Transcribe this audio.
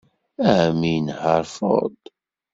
Ɛemmi inehheṛ Ford.